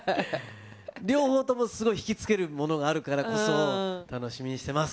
両方ともすごく引きつけるものがあるからこそ、楽しみにしてます。